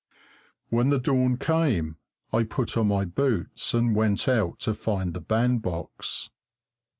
When the dawn came, I put on my boots and went out to find the bandbox.